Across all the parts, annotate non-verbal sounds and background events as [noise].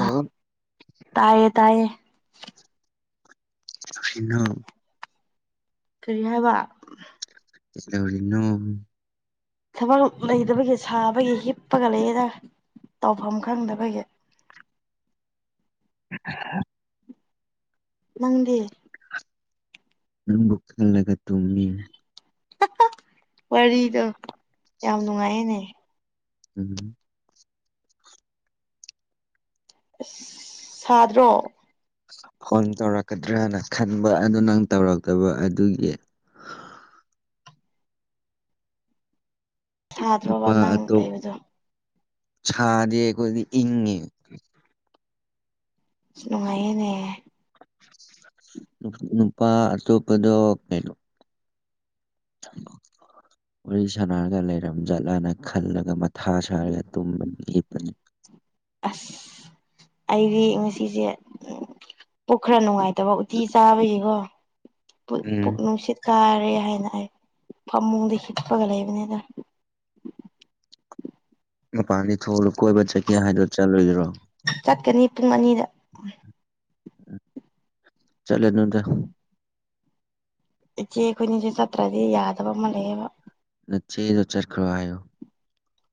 ꯑ ꯇꯌꯦ ꯇꯌꯦ [unintelligible] ꯀꯔꯤ ꯍꯥꯏꯕ ꯀꯩꯗꯧꯔꯤꯅꯣ ꯊꯕꯛ ꯂꯩꯗꯕꯒꯤ ꯁꯥꯕꯒꯤ ꯍꯤꯞꯄꯒ ꯂꯩꯔꯅ ꯇꯧꯐꯝ ꯈꯪꯗꯕꯒꯤ [inaudible] ꯅꯪꯗꯤ ꯅꯪꯕꯨ ꯈꯜꯂꯒ ꯇꯨꯝꯃꯤ ꯋꯥꯔꯤꯗꯣ ꯌꯥꯝ ꯅꯨꯡꯉꯥꯏꯅꯦ ꯎꯝ ꯑꯁ ꯁꯥꯗ꯭ꯔꯣ ꯐꯣꯟ ꯇꯧꯔꯛꯀꯗ꯭ꯔꯅ ꯈꯟꯕ ꯑꯗꯨ ꯅꯪ ꯇꯧꯔꯛꯇꯕ ꯑꯗꯨꯒꯤ ꯁꯥꯗ꯭ꯔꯣꯕ ꯅꯪ ꯅꯨꯄꯥꯇꯣ ꯂꯩꯕꯗꯣ ꯆꯥꯗꯤꯈꯣꯏꯗꯤ ꯏꯪꯉꯦ ꯅꯨꯡꯉꯥꯏꯌꯦꯅꯦ ꯅꯨꯄꯥ ꯑ ꯇꯣꯄꯗꯣ [unintelligible] [unintelligible] ꯋꯥꯔꯤ ꯁꯥꯅꯔꯒ ꯂꯩꯔꯝ ꯠꯂꯅ ꯈꯜꯂꯒ ꯃꯊꯥ ꯁꯥꯔꯒ ꯇꯨꯝꯕꯅꯤ ꯍꯠꯄꯅꯤ ꯑꯁ ꯑꯩꯗꯤ ꯉꯁꯤꯁꯦ ꯄꯣꯛ ꯈꯔ ꯅꯨꯡꯉꯥꯏꯇꯕ ꯎꯇꯤ ꯆꯥꯕꯒꯤꯀꯣ ꯄꯨꯛ ꯎꯝ ꯅꯨꯡꯁꯤꯠ ꯀꯥꯔꯦ ꯍꯥꯏꯅ ꯑꯩ ꯐꯃꯨꯡꯗ ꯍꯤꯠꯄꯒ ꯂꯩꯕꯅꯤꯗ ꯃꯄꯥꯟꯗꯤ ꯊꯣꯂꯨ ꯀꯣꯏꯕ ꯆꯠꯀꯦ ꯍꯥꯏꯗꯗꯨ ꯆꯠꯂꯨꯗ꯭ꯔꯣ ꯆꯠꯀꯅꯤ ꯄꯨꯡ ꯑꯅꯤꯗ ꯆꯂꯦ ꯑꯗꯨ ꯅꯗ ꯏꯆꯦ ꯑꯩꯈꯣꯏ ꯏꯁꯦ ꯆꯠꯇ꯭ꯔꯗꯤ ꯌꯥꯗꯕ ꯑꯃ ꯂꯩꯌꯦꯕ ꯅꯆꯦꯗ ꯆꯔꯈꯔꯣ ꯍꯥꯏꯣ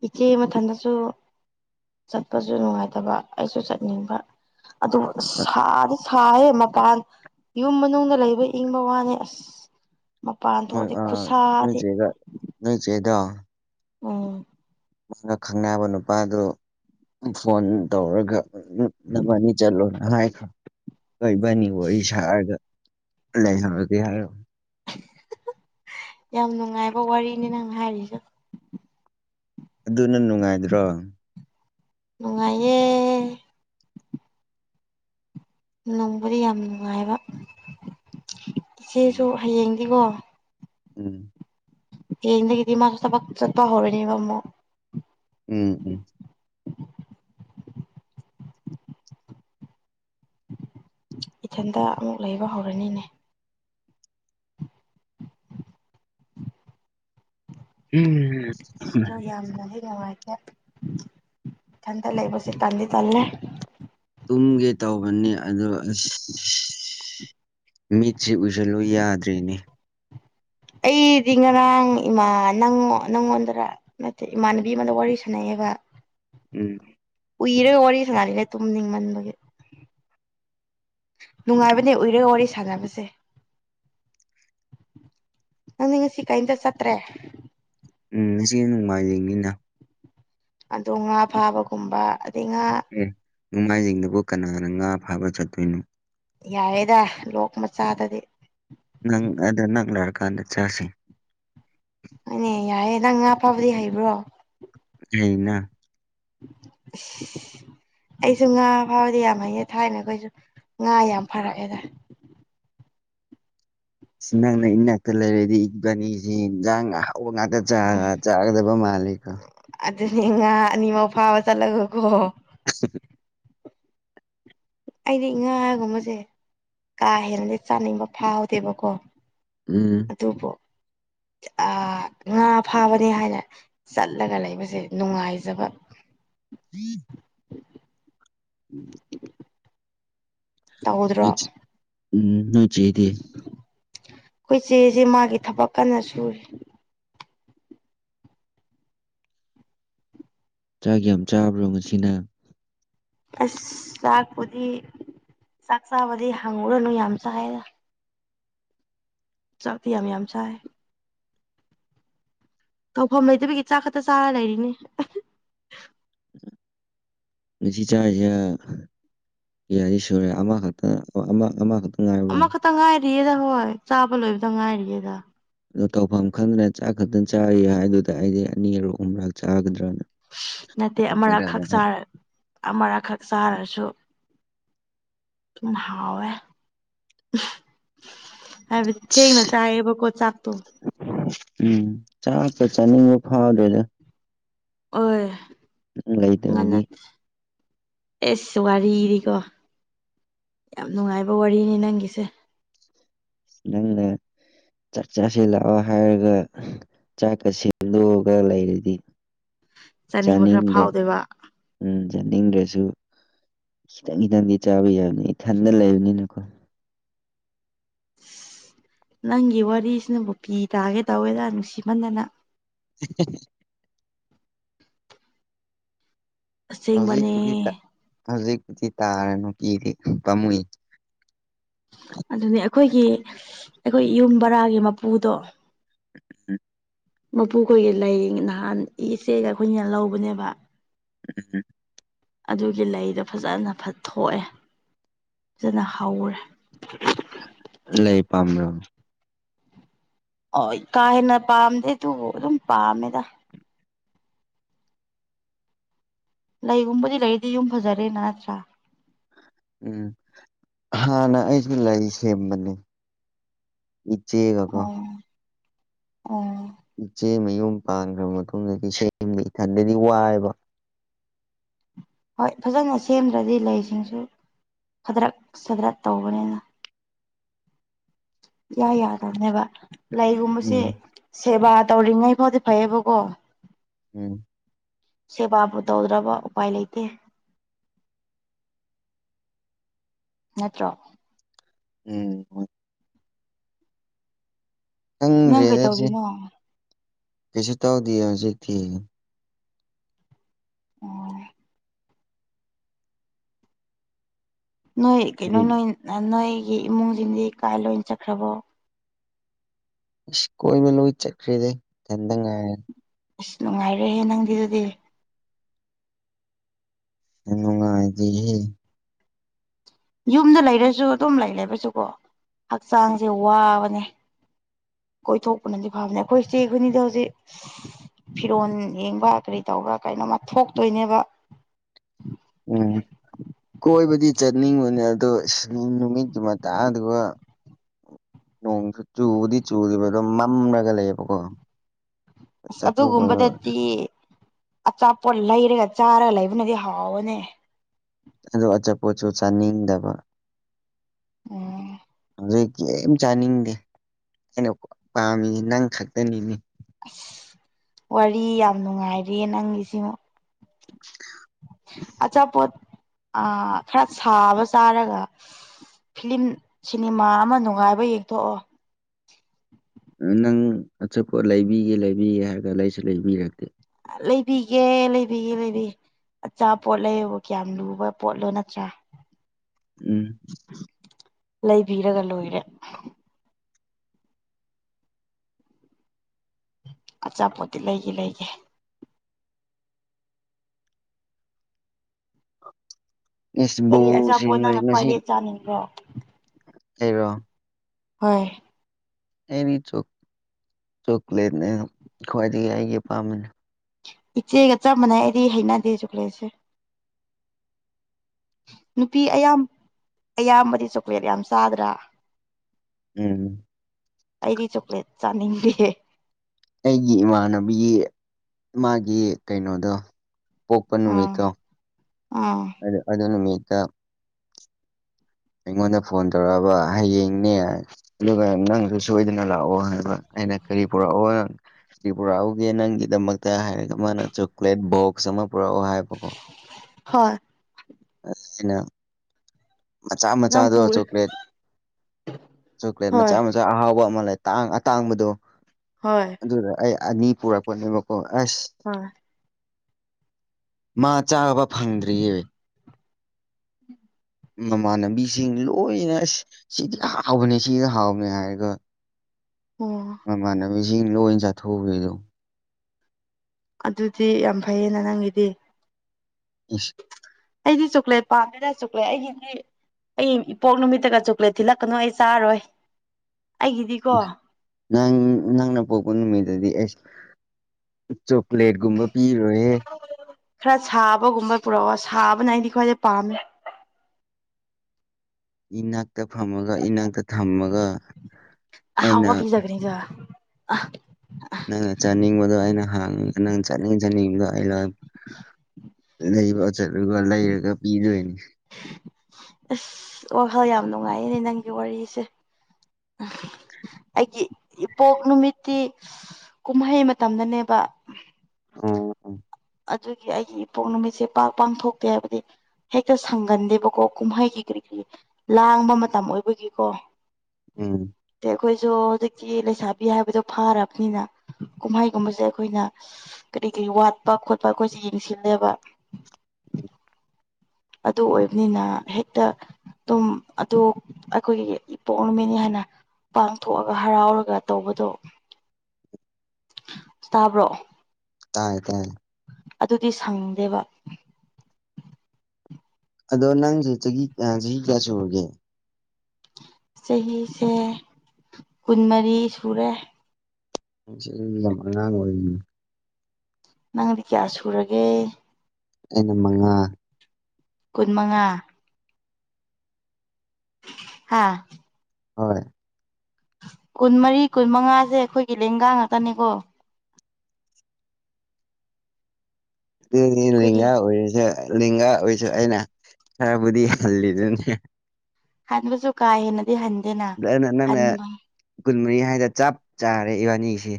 ꯏꯆꯦ ꯃꯊꯟꯇꯁꯨ ꯆꯠꯄꯁꯨ ꯅꯨꯡꯉꯥꯏꯇꯕ ꯑꯩꯁꯨ ꯆꯠꯅꯤꯡꯕ ꯑꯗ ꯁꯥꯗꯤ ꯁꯥꯏꯌꯦ ꯃꯄꯥꯟ ꯌꯨꯝ ꯃꯅꯨꯡꯗ ꯂꯩꯕ ꯏꯪꯕ ꯋꯥꯅꯦ ꯑꯁ ꯃꯄꯥꯟ ꯃꯣꯏ ꯊꯣꯛꯑꯗꯤ ꯑ ꯈꯨꯠꯁꯥꯗꯤ [unintelligible] ꯅꯣꯏ ꯆꯦꯗ ꯑꯣ ꯃꯅ ꯈꯪꯅꯕ ꯅꯨꯄꯥꯗꯨ ꯐꯣꯟ ꯇꯧꯔꯒ ꯅ ꯑꯅꯤ ꯆꯠꯂꯣꯅ ꯍꯥꯏꯈ꯭ꯔꯣ ꯑꯣꯏꯣꯏꯕꯅꯤ ꯋꯥꯔꯤ ꯁꯥꯔꯒ ꯂꯩꯍꯧꯔꯒꯦ ꯍꯥꯏꯔ ꯌꯥꯝ ꯅꯨꯡꯉꯥꯏꯕ ꯋꯥꯔꯤꯅꯤ ꯅꯪ ꯍꯥꯏꯔꯤꯁꯦ ꯑꯗꯨꯅ ꯅꯨꯡꯉꯥꯏꯗ꯭ꯔꯣ ꯅꯨꯡꯉꯌꯦ ꯅꯣꯡꯕꯨꯗꯤ ꯌꯥꯝ ꯅꯨꯡꯉꯥꯏꯕ ꯏꯆꯦꯁꯨ ꯎꯝ ꯍꯌꯦꯡꯗꯤꯀꯣ ꯎꯝ ꯌꯦꯒꯗꯤ ꯃꯥ ꯁꯄ ꯆꯠꯄ ꯍꯧꯔꯦꯅꯤꯕꯃ ꯎꯝ ꯎꯝ ꯏꯊꯟꯇ ꯑꯃꯨꯛ ꯂꯩꯕ ꯍꯧꯔꯅꯤꯅꯦ ꯎꯝ ꯑꯣ ꯌꯥꯝꯅ ꯍ ꯅꯨꯡꯉꯥꯏꯇꯦ ꯊꯟꯗ ꯂꯩꯕꯁꯦ ꯀꯥꯟꯗꯤ ꯆꯜꯂꯦ ꯇꯨꯝꯒꯦ ꯇꯧꯕꯅꯤ ꯑꯗꯣ ꯑꯁ ꯑ ꯃꯤꯠꯁꯤ ꯎꯁꯜꯂꯨ ꯌꯥꯗ꯭ꯔꯤꯅꯦ ꯑꯩꯗꯤ ꯉꯔꯥꯡ ꯏꯃꯥ ꯅꯪꯉ ꯅꯪꯉꯣꯟꯗꯔ ꯅꯠꯇꯦ ꯏꯃꯥꯟꯅꯕꯤ ꯑꯃꯗ ꯋꯥꯔꯤ ꯁꯥꯟꯅꯩꯑꯕ ꯎꯝ ꯎꯏꯔꯦ ꯋꯥꯔꯤ ꯁꯥꯖꯔꯤꯔꯦ ꯇꯨꯝꯅꯤꯡꯃꯟꯕꯒꯤ ꯅꯨꯡꯉꯥꯏꯕꯅꯦ ꯎꯏꯔꯦ ꯋꯥꯔꯤ ꯁꯥꯟꯅꯕꯁꯦ ꯅꯪꯗꯤ ꯉꯁꯤ ꯀꯩꯝꯇ ꯆꯠꯇ꯭ꯔꯦ ꯎꯝ ꯁꯤ ꯅꯨꯡꯉꯥꯏꯖꯅꯤꯅ ꯑꯗꯣ ꯉꯥ ꯐꯥꯕꯒꯨꯝꯕ ꯑꯗꯩ ꯉꯥ ꯑꯦ ꯅꯣꯡꯃꯥꯏꯖꯤꯡꯗꯕꯨ ꯀꯅꯥꯅ ꯉꯥ ꯐꯥꯕ ꯆꯠꯇꯣꯏꯅꯣ ꯌꯥꯔꯦꯗ ꯂꯣꯛ ꯃꯆꯥꯗꯗꯤ ꯅꯪ ꯑꯗ ꯅꯪ ꯂꯣꯏꯔꯀꯥꯟꯗ ꯆꯥꯁꯤ ꯑꯅꯦ ꯌꯥꯏꯦ ꯅꯪ ꯉꯥ ꯐꯕꯗꯤ ꯍꯩꯕ꯭ꯔꯣ ꯍꯅ ꯑꯩꯁꯨ ꯉꯥ ꯐꯥꯎꯕꯗꯤ ꯌꯥꯝ ꯍꯩꯌꯦ ꯊꯥꯏꯅ ꯑꯩꯈꯣꯏꯁꯨ ꯉꯥ ꯌꯥꯝ ꯐꯔꯛꯑꯦꯗ ꯅꯪꯅ ꯏꯅꯥꯛꯇ ꯂꯩꯔꯗꯤ ꯏꯕꯥꯅꯤꯁꯤ ꯏꯟꯖꯥꯡ ꯑꯍꯥꯎꯕ ꯉꯥꯛꯇ ꯆꯥꯒꯗꯕ ꯃꯥꯜꯂꯦꯀꯣ ꯑꯗꯨꯗ ꯅꯤꯡꯉꯅꯤꯉ ꯐꯥꯎꯕ ꯆꯂꯒꯒꯣ ꯎ ꯑꯩꯗꯤ ꯉꯥꯒꯨꯝꯕꯁꯦ ꯀꯥ ꯍꯦꯂꯗꯤ ꯆꯥꯅꯤꯡꯕ ꯐꯥꯎꯍꯗꯦꯕꯀꯣ ꯎꯝ ꯇꯞ ꯉꯥ ꯐꯥꯕꯅꯤ ꯍꯥꯏꯅ ꯆꯠꯂꯒ ꯂꯩꯕꯁꯦ ꯅꯨꯡꯉꯥꯏꯖꯕ ꯎ [unintelligible] ꯎꯝ ꯇꯧꯗ꯭ꯔꯣ ꯅꯣꯏ ꯆꯦ ꯎꯝ ꯍꯣꯏ ꯆꯦꯗꯤ ꯑꯩꯈꯣꯏ ꯆꯦꯁꯦ ꯃꯥꯒꯤ ꯊꯕꯛ ꯀꯟꯅ ꯁꯨꯔꯦ ꯆꯥꯛꯒꯤ ꯌꯥꯝ ꯆꯥꯕ꯭ꯔꯣ ꯉꯁꯤꯅ ꯑꯁ ꯆꯥꯛꯄꯨꯗꯤ ꯆꯥꯛ ꯆꯥꯕꯗꯤ ꯍꯥꯡꯉꯨꯔꯅꯨ ꯌꯥꯝ ꯆꯥꯏꯗ ꯆꯠꯊꯤ ꯌꯥꯝ ꯌꯥꯝ ꯆꯥꯏ ꯇꯧꯐꯝ ꯍꯩꯗꯕꯤꯒꯤ ꯆꯥꯛ ꯈꯛꯇ ꯆꯥꯔ ꯂꯩꯔꯤꯅꯤ ꯆꯥꯏꯁꯤꯌꯥ ꯌꯥꯔꯤ ꯁꯨꯔꯦ ꯑꯃꯈꯛꯇ ꯑꯃꯈꯛꯇ ꯉꯥꯏꯔꯕꯣ ꯑꯃꯈꯛꯇ ꯉꯥꯏꯔꯤꯌꯦꯗ ꯍꯣꯏ ꯆꯥꯕ ꯂꯣꯏꯕꯗ ꯉꯥꯏꯔꯤꯌꯦꯗ ꯑ ꯇꯧꯐꯝ ꯈꯪꯗ꯭ꯔꯅ ꯆꯥꯛ ꯈꯛꯇꯪ ꯆꯥꯔꯤ ꯍꯥꯏꯗꯨꯗ ꯑꯩꯗꯤ ꯑꯅꯤ ꯑꯔꯨꯛ ꯑꯨꯝꯔꯛ ꯆꯥꯒꯗ꯭ꯔꯅ ꯅꯠꯇꯦ ꯑꯃꯔꯛꯈꯛ ꯈꯟꯕꯅꯦ꯫ ꯆꯥꯔ ꯑꯃꯔꯛꯈꯛ ꯆꯥꯔꯁꯨ ꯍꯅ ꯍꯥꯎꯑꯣꯦ ꯑ ꯊꯦꯡꯅ ꯆꯥꯕ ꯀꯣ ꯆꯥꯛ ꯇꯣ ꯎꯝ ꯆꯥꯛꯁꯦ ꯆꯥꯅꯤꯡꯕ ꯐꯥꯎꯗꯦꯗ ꯅꯪ ꯍ ꯉ ꯂꯩꯇꯕꯒꯤ ꯑꯦꯁ ꯋꯥꯔꯤꯔꯤꯀꯣ ꯌꯥꯝ ꯅꯨꯡꯉꯥꯏꯕ ꯋꯥꯔꯤꯅꯤ ꯅꯪꯒꯤꯁꯦ ꯅꯪꯅ ꯆꯥꯛ ꯆꯥꯁꯤ ꯂꯥꯛꯑꯣ ꯍꯥꯏꯔꯒ ꯆꯥꯛꯀ ꯁꯦꯝꯗꯣꯛꯑꯒ ꯂꯩꯔꯗꯤ ꯆꯥꯅꯤꯡꯕ ꯈꯔ ꯆꯥꯅꯤꯡꯗ꯭ꯔꯦ ꯐꯥꯎꯗꯣꯏꯕ ꯎꯝ ꯌꯥꯅꯤꯡꯗ꯭ꯔꯁꯨ ꯈꯤꯇꯪ ꯈꯤꯇꯪꯗꯤ ꯆꯥꯕ ꯌꯥꯕꯅꯤ ꯏꯊꯟꯅ ꯂꯩꯕꯅꯤꯅꯀꯣ ꯑꯁ ꯅꯪꯒꯤ ꯋꯥꯔꯤꯁꯤꯅꯕꯨ ꯀꯤ ꯇꯥꯒꯦ ꯇꯧꯋꯦꯗ ꯅꯨꯡꯁꯤꯃꯟꯗꯅ ꯑꯁꯦꯡꯕꯅꯦ ꯍꯧꯖꯤꯛꯀꯤꯨꯗꯤ ꯍꯧꯖꯤꯛꯄꯨꯗꯤ ꯇꯥꯔꯦꯅꯅꯨꯡꯄꯤꯗꯤ ꯄꯥꯝꯃꯨꯌꯦ ꯑꯗꯨꯅꯤ ꯑꯩꯈꯣꯏꯒꯤ ꯑꯩꯈꯣꯏ ꯌꯨꯝ ꯕꯔꯥꯒꯤ ꯃꯄꯨꯗꯣ ꯃꯄꯨꯈꯣꯏꯒꯤ ꯂꯩꯔꯤ ꯅꯍꯥꯟ ꯏꯆꯦꯒ ꯑꯩꯈꯣꯏꯅ ꯂꯧꯕꯅꯦꯕ ꯎꯝ ꯑꯗꯨꯒꯤ ꯂꯩꯗꯣ ꯐꯖꯅ ꯐꯊꯣꯛꯑꯦ ꯐꯖꯅ ꯍꯧꯔꯦ ꯂꯩ ꯄꯥꯝ꯭ꯔꯣ ꯑꯣ ꯀꯥ ꯍꯦꯟꯅ ꯄꯥꯝꯗꯦ ꯑꯗꯨꯕꯨ ꯑꯗꯨꯝ ꯄꯥꯝꯃꯦꯗ ꯂꯩꯒꯨꯝꯕꯗꯤ ꯂꯩꯔꯤꯗꯤ ꯌꯨꯝ ꯐꯖꯔꯦꯅ ꯅꯠꯇ꯭ꯔꯥ ꯎꯝ ꯍꯥꯟꯅ ꯑꯩꯁꯨ ꯂꯩ ꯁꯦꯝꯕꯅꯦ ꯏꯆꯦꯒ ꯑꯣ ꯑꯣ ꯏꯆꯦ ꯃꯌꯨꯝ ꯄꯥꯟꯈ꯭ꯔꯕ ꯃꯇꯨꯡꯗꯗꯤ ꯁꯦꯝꯗꯤ ꯏꯊꯟꯗꯗꯤ ꯋꯥꯏꯑꯕ ꯍꯣꯏ ꯐꯖꯅ ꯁꯦꯝꯗ꯭ꯔꯗꯤ ꯂꯩꯁꯤꯡꯁꯨ ꯐꯥꯗꯔꯛ ꯁꯗ꯭ꯔꯠ ꯇꯧꯕꯅꯤꯅ ꯌꯥ ꯌꯥꯗꯕꯅꯦꯕ ꯂꯩꯒꯨꯝꯕꯁꯦ ꯎꯝ ꯁꯦꯕꯥ ꯇꯧꯔꯤꯉꯩ ꯐꯥꯎꯗꯤ ꯐꯩꯌꯦꯕꯀꯣ ꯎꯝ ꯁꯦꯕꯥꯕꯨ ꯇꯧꯗ꯭ꯔꯕ ꯎꯄꯥꯏ ꯂꯩꯇꯦ ꯅꯠꯇ꯭ꯔꯣ ꯎꯝ ꯅꯪ ꯈꯪꯗ꯭ꯔꯦꯗꯁ ꯀꯩꯇꯧꯔꯤꯅꯣ ꯀꯩꯁꯨ ꯇꯧꯗꯦ ꯍꯧꯖꯤꯛꯇꯤ ꯎꯝ ꯅꯣꯏ ꯀꯩꯅꯣ ꯎꯝ ꯅꯣꯏ ꯅꯣꯏꯒꯤ ꯏꯃꯨꯡꯁꯤꯡꯗꯤ ꯀꯥꯏ ꯂꯣꯏ ꯆꯠꯈ꯭ꯔꯕꯣ ꯀꯣꯏ ꯃꯂ ꯏ ꯆꯠ꯭ꯔꯗ ꯆꯪꯒ ꯑꯁ ꯅꯨꯡꯉꯥꯏꯔꯦꯍꯦ ꯅꯪꯗꯤ ꯑꯗꯨꯗꯤ ꯏꯅꯨꯡꯉꯥꯏꯗꯤꯍ‌ꯦ ꯌꯨꯝꯗ ꯂꯩꯔꯁꯨ ꯑꯗꯨꯝ ꯂꯩ ꯂꯩꯕꯁꯨꯀꯣ ꯍꯛꯆꯥꯡꯁꯦ ꯋꯥꯕꯅꯦ ꯀꯣꯏꯊꯣꯛꯄꯅꯗꯤ ꯐꯕꯅꯦ ꯑꯩꯈꯣꯏ ꯁꯤꯤ ꯑꯩꯈꯣꯏꯅꯤꯗ ꯍꯧꯖꯤꯛ ꯐꯤꯔꯣꯜ ꯌꯦꯡꯕ ꯀꯔꯤ ꯇꯧꯕ꯭ꯔꯥ ꯀꯩꯅꯣꯝꯃ ꯊꯣꯛꯇꯣꯏꯅꯦꯕ ꯎꯝ ꯀꯣꯏꯕꯗꯤ ꯆꯠꯅꯤꯡꯕꯅꯤ ꯑꯗꯨꯗꯣ ꯅꯨꯃꯤꯠꯀꯤ ꯃꯇꯥꯡ ꯑꯗꯨꯒ ꯅꯣꯡꯁꯨ ꯆꯨꯕꯗꯤ ꯆꯨꯔꯤꯕ ꯑꯗꯨꯣ ꯃꯝꯂꯒ ꯂꯩꯌꯦꯕꯀꯣ ꯑꯁ ꯆꯠꯊꯣꯛꯄ ꯑꯗꯨꯒꯨꯝꯕꯗꯗꯤ ꯑꯆꯥꯄꯣꯠ ꯂꯩꯔꯒ ꯆꯥꯔꯒ ꯂꯩꯕꯅꯗꯤ ꯍꯥꯎꯋ‌ꯦꯅꯦ ꯑꯣꯗ‌ꯣ ꯑꯆꯥꯄꯣꯠꯁꯨ ꯆꯥꯅꯤꯡꯗꯕ ꯎꯝ ꯍꯧꯩ ꯀꯔꯤꯝ ꯆꯥꯅꯤꯡꯗꯦ ꯑꯩꯅ ꯄꯥꯝꯃꯤ ꯅꯪ ꯈꯛꯇꯅꯤꯅ‌ꯦ ꯑꯁ ꯋꯥꯔꯤ ꯌꯥꯝ ꯅꯨꯡꯉꯥꯏꯔꯤꯌ‌ꯦ ꯅꯪꯒꯤꯁꯤꯃ [inaudible] ꯑꯆꯥꯄꯣꯠ ꯑ ꯈꯔ ꯁꯥꯕ ꯆꯥꯔꯒ ꯐꯤꯂꯤꯂꯝ ꯁꯤꯅꯤꯃꯥ ꯑꯃ ꯅꯨꯡꯉꯥꯏꯕ ꯌꯦꯡꯊꯣꯛꯑꯣ ꯅꯪ ꯑꯆꯄꯣꯠ ꯂꯩꯕꯤꯒꯦ ꯂꯩꯕꯤꯒꯦ ꯍꯥꯏꯔꯒ ꯂꯩꯁꯨ ꯂꯩꯕꯤꯔꯛꯇꯦ ꯂꯩꯕꯤꯒꯦ ꯂꯩꯕꯤꯒꯦ ꯂꯩꯕꯤꯒꯦ ꯑꯆꯥꯄꯣꯠ ꯂꯩꯕꯕꯨ ꯀꯌꯥꯝ ꯂꯨꯕ ꯄꯣꯠꯂꯣ ꯅꯠꯇ꯭ꯔꯥ ꯎꯝ ꯂꯩꯕꯤꯔꯒ ꯂꯣꯏꯔꯦ ꯑꯆꯥꯄꯣꯠꯇꯤ ꯂꯩꯒꯦ ꯂꯩꯒꯦ ꯑꯦꯁ ꯀꯔꯤ ꯕꯣꯜꯁꯤ ꯑꯆꯥꯄꯣꯠ ꯅꯪꯅ ꯉꯁꯤ ꯈ꯭ꯋꯥꯏꯔꯦ ꯆꯥꯅꯤꯡꯕ꯭ꯔꯣ ꯑꯩꯔꯣ ꯍꯣꯏ ꯑꯩꯗꯤ ꯆꯣꯀ꯭ꯂꯦꯠꯅꯦ ꯈ꯭ꯋꯥꯏꯗꯒꯤ ꯑꯩꯒꯤ ꯄꯥꯝꯕꯅꯦ ꯏꯆꯦꯒ ꯆꯞ ꯃꯥꯟꯅꯩ ꯑꯩꯗꯤ ꯍꯩꯅꯗꯦ ꯆ‌ꯣꯀꯂꯦꯠꯁꯦ [inaudible] ꯅꯨꯄꯤ ꯑꯌꯥꯝ ꯑꯌꯥꯝꯕꯗꯤ ꯆꯣꯀ꯭ꯂꯦꯠ ꯌꯥꯝ ꯆꯥꯗ꯭ꯔꯥ ꯎꯝ ꯑꯩꯗꯤ ꯆꯣꯀ꯭ꯂꯦꯠ ꯆꯥꯅꯤꯡꯗꯦ ꯑꯩꯒꯤ ꯏꯃꯥꯟꯅꯕꯤ ꯃꯥꯒꯤ ꯀꯩꯅꯣꯗꯣ ꯄꯣꯛꯄ ꯑꯥ ꯅꯨꯃꯤꯠꯇꯣ ꯑꯥ ꯑꯗꯨ ꯅꯨꯃꯤꯠꯇ ꯑꯩꯉꯣꯟꯗ ꯐꯣꯟ ꯇꯧꯔꯛꯑꯕ ꯍꯌꯦꯡꯅꯦ ꯑꯗꯨꯒ ꯅꯪꯁꯨ ꯁꯣꯏꯗꯅ ꯂꯥꯛꯑꯣ ꯍꯥꯏꯕ ꯑꯩꯅ ꯀꯔꯤ ꯄꯨꯔꯛꯑꯣ ꯁꯤ ꯄꯨꯔꯛꯎꯒꯦ ꯅꯪꯒꯤꯗꯃꯛꯇ ꯍꯥꯏꯔꯒ ꯃꯥꯅ ꯆꯣꯀ꯭ꯂꯦꯠ ꯕꯣꯛꯁ ꯑꯃ ꯄꯨꯔꯛꯎ ꯍꯥꯏꯕꯀꯣ ꯍ‌ꯣꯏ ꯑꯁꯤꯖꯤꯅ ꯃꯆꯥ ꯅꯪ ꯃꯆꯥꯗꯣ ꯄꯨꯔ ꯆꯣꯀ꯭ꯂꯦꯠ ꯆꯣꯀ꯭ꯂꯦꯠ ꯍꯣꯏ ꯃꯆꯥ ꯃꯆꯥ ꯑꯍꯥꯎꯕ ꯑꯃ ꯂꯩ ꯇꯥꯡ ꯑꯇꯥꯡꯕꯗꯣ ꯍꯣꯏ ꯑꯗꯨꯗ ꯑꯩ ꯑꯅꯤ ꯄꯨꯔꯛꯄꯅꯦꯕꯀꯣ ꯑꯁ ꯍ‌ꯣꯏ ꯃꯥ ꯆꯥꯕ ꯐꯪꯗ꯭ꯔꯤꯌꯦ ꯃꯃꯥꯟꯅꯕꯤꯁꯤꯡ ꯂꯣꯏꯅ ꯑꯁ ꯁꯤꯗꯤ ꯍꯥꯎꯕꯅꯦ ꯁꯤꯗ ꯍꯥꯎꯕꯅꯦ ꯍꯥꯏꯔꯒ ꯑꯣ ꯃꯃꯥꯟꯅꯕꯤꯁꯤꯡꯅ ꯂꯣꯏ ꯆꯠꯊꯣꯛꯎꯈꯤꯗꯣ ꯑꯗꯨꯗꯤ ꯌꯥꯝ ꯐꯩꯌꯦꯅ ꯅꯪꯒꯤꯗꯤ ꯏꯁ ꯑꯩꯗꯤ ꯆꯣꯀ꯭ꯂꯦꯠ ꯄꯥꯝꯃꯦꯅ ꯆꯣꯀ꯭ꯂꯦꯠ ꯑꯩꯒꯤꯗꯤ ꯑꯩ ꯏꯄꯣꯛ ꯅꯨꯃꯤꯠꯇꯒ ꯆꯣꯀ꯭ꯂꯦꯠ ꯊꯤꯜꯂꯛꯀꯅꯨ ꯑꯩ ꯆꯥꯔꯔꯣꯏ ꯑꯩꯒꯤꯗꯤꯀꯣ ꯅꯪ ꯅꯪꯅ ꯄꯣꯛꯄ ꯅꯨꯃꯤꯠꯇꯗꯤ ꯑꯩꯁ ꯆꯣꯀ꯭ꯂꯦꯠꯀꯨꯝꯕ ꯄꯤꯔꯨꯔꯦ ꯈꯔ ꯁꯥꯕꯒꯨꯝꯕ ꯄꯨꯔꯛꯑꯣ ꯁꯥꯕꯅ ꯑꯩꯗꯤ ꯈ꯭ꯋꯥꯏꯗꯩ ꯄꯥꯝꯃꯦ ꯏꯅꯥꯛꯇ ꯐꯝꯃꯒ ꯏꯅꯥꯛꯇ ꯊꯝꯃꯒ ꯑꯩꯅ ꯑꯍꯥꯎꯕ [unintelligible] [unintelligible] ꯅꯪꯅ ꯆꯥꯅꯤꯡꯕꯗꯣ ꯑꯩꯅ ꯍꯥꯡ ꯅꯪ ꯆꯥꯅꯤꯡ ꯆꯥꯅꯤꯡꯕꯗꯣ ꯑꯩꯅ ꯂꯩꯕ ꯆꯠꯂꯒ ꯂꯩꯔꯒ ꯄꯤꯗꯣꯏꯅꯤ ꯑꯁ ꯍꯣꯏ ꯍꯣꯏ ꯌꯥꯝ ꯅꯨꯡꯉꯥꯏꯌꯦꯅꯦ ꯅꯪꯒꯤ ꯋꯥꯔꯤꯁꯦ [unintelligible] ꯑꯩꯒꯤ ꯏꯄꯣꯛ ꯅꯨꯃꯤꯠꯀꯤ ꯀꯨꯝꯍꯩ ꯃꯇꯝꯗꯅꯦꯕ ꯑꯣ ꯑꯗꯨꯒꯤ ꯑꯩꯒꯤ ꯏꯄꯣꯛ ꯅꯨꯃꯤꯠꯁꯦ ꯄꯥꯛ ꯄꯥꯡꯊꯣꯛꯇꯦ ꯍꯥꯏꯕꯗꯤ ꯍꯦꯛꯇ ꯁꯪꯒꯟꯗꯦꯕꯀꯣ ꯀꯨꯝꯍꯩꯒꯤ ꯀꯔꯤ ꯀꯔꯤ ꯂꯥꯡꯕ ꯃꯇꯝ ꯑꯣꯏꯕꯒꯤꯀꯣ ꯎꯝ ꯇꯦ ꯑꯈꯣꯏꯖꯨ ꯍꯧꯖꯤꯛꯇꯤ ꯂꯩꯁꯥꯕꯤ ꯍꯥꯏꯕꯗꯣ ꯐꯥꯔꯕꯅꯤꯅ ꯀꯨꯝꯍꯩꯒꯨꯝꯕꯖꯦ ꯑꯈꯣꯏꯅ ꯀꯔꯤ ꯀꯔꯤ ꯋꯥꯠꯄ ꯈꯣꯠꯄ ꯑꯈꯣꯏꯁꯦ ꯌꯦꯡꯁꯤꯜꯂꯦꯕ [inaudible] ꯑꯗꯨ ꯑꯣꯏꯕꯅꯤꯅ ꯍꯦꯛꯇ ꯇꯨꯝ ꯑꯗꯣ ꯑꯈꯣꯏꯒꯤ ꯏꯄꯣꯛ ꯅꯨꯃꯤꯠꯅꯤ ꯍꯥꯏꯅ ꯄꯥꯡꯊꯣꯛꯑꯒ ꯍꯔꯥꯎꯔꯒ ꯇꯧꯕꯗꯣ ꯇꯥꯕ꯭ꯔꯣ ꯇꯥꯏ ꯇꯥꯏ ꯑꯗꯨꯗꯤ ꯁꯪꯗꯦꯕ ꯑꯗꯣ ꯅꯪꯖꯦ ꯆꯍꯤ ꯀꯌꯥ ꯆꯍꯤ ꯀꯌꯥ ꯁꯨꯔꯒꯦ ꯆꯍꯤꯁꯦ ꯀꯨꯟꯃꯔꯤ ꯁꯨꯔꯦ ꯌꯥꯝ ꯑꯉꯥꯡ ꯑꯣꯏꯔꯤ ꯅꯪꯗꯤ ꯀꯌꯥ ꯁꯨꯔꯒꯦ ꯑꯩꯅ ꯃꯉꯥ ꯀꯨꯟꯃꯉꯥ ꯍꯥꯥ ꯍꯣꯏ ꯀꯨꯟꯃꯔꯤ ꯀꯨꯟꯃꯉꯥꯖꯦ ꯑꯈꯣꯏꯒꯤ ꯂꯦꯡꯒꯥ ꯉꯥꯛꯇꯅꯤꯀꯣ ꯑꯗꯨꯅꯤ ꯑꯩꯈꯣꯏꯒꯤ ꯂꯦꯡꯒꯥ ꯑꯣꯏꯔꯖꯨ ꯂꯒꯥ ꯑꯣꯏꯁꯨ ꯑꯩꯅ ꯈꯔꯕꯨꯗꯤ ꯍꯜꯂꯤꯗꯨꯅꯤ ꯍꯥꯏꯕꯗꯨꯁꯨ ꯀꯥ ꯍꯦꯟꯅꯗꯤ ꯍꯟ ꯗꯨ ꯑꯩꯅ ꯅꯪꯅ ꯀꯨꯟꯃꯔꯤ ꯍꯥꯏꯗ ꯆꯞ ꯆꯥꯔꯦ ꯏꯕꯥꯅꯤꯁꯤ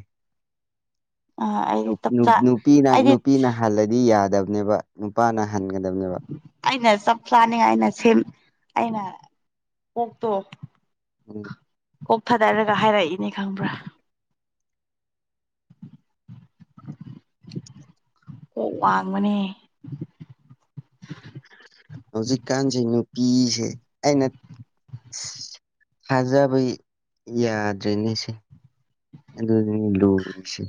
ꯑ ꯅꯨ ꯑꯩꯗꯤ ꯅꯨ ꯆꯞꯆꯥ ꯅꯨꯄꯤꯅ ꯑꯩꯗꯤ ꯅꯨꯄꯤꯅ ꯍꯜꯂꯗꯤ ꯌꯥꯗꯕꯅꯦꯕ ꯅꯨꯄꯥꯅ ꯍꯟꯒꯗꯕꯅꯦꯕ ꯑꯩꯅ ꯆꯞ ꯆꯥꯅꯤ ꯑꯩꯅ ꯁꯦꯝ ꯑꯩꯅ ꯀꯣꯛꯇꯣ ꯎꯝ ꯀꯣꯛ ꯊꯥꯗꯔꯒ ꯍꯥꯏꯔꯛꯏꯅꯦ ꯈꯪꯕ꯭ꯔꯥ ꯀꯣꯛ ꯋꯥꯡꯕꯅꯦ ꯍꯧꯖꯤꯛꯀꯥꯟꯖꯤ ꯅꯨꯄꯤꯁꯦ ꯑꯩꯅ ꯊꯥꯖꯕ ꯌꯥꯗ꯭ꯔꯦꯅꯦꯁꯦ ꯑꯗꯨꯅꯤ ꯂꯨꯒꯔ꯭ꯤꯁꯤ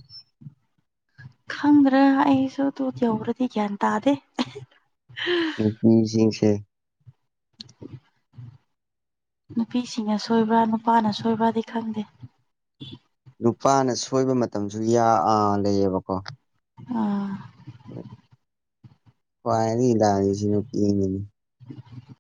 ꯈꯪꯗ꯭ꯔꯦ ꯑꯩꯁꯨ ꯑꯗꯨ ꯌꯧꯔꯗꯤ ꯒ꯭ꯌꯥꯟ ꯇꯥꯗꯦ ꯅꯨꯄꯤꯖꯤꯡꯁꯦ [unintelligible] ꯅꯨꯄꯤꯁꯤꯡꯅ ꯁꯣꯏꯕ꯭ꯔꯥ ꯅꯨꯄꯥꯅ ꯁꯣꯏꯕ꯭ꯔꯗꯤ ꯈꯪꯗꯦ ꯅꯨꯨꯄꯥꯅ ꯁꯣꯏꯕ ꯃꯇꯝꯁꯨ ꯌꯥ ꯑꯥ ꯂꯩꯌꯦꯕꯀꯣ ꯑꯥ [unintelligible] ꯅꯨꯄꯤꯅꯤ ꯅꯦ ꯎꯝ